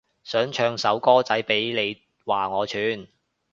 想唱首歌仔都俾你話我串